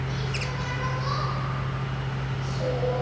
ああそうね。